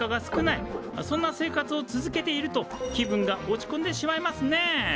そんな生活を続けていると気分が落ちこんでしまいますねえ。